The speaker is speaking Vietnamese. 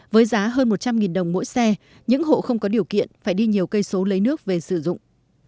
với giá hơn một trăm linh đồng mỗi xe những hộ không có điều kiện phải đi nhiều cây số lấy nước về sử dụng